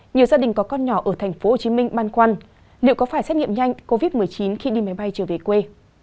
nhiều gia đình có con nhỏ ở tp hcm băn khoăn liệu có phải xét nghiệm nhanh covid một mươi chín khi đi máy bay trở về quê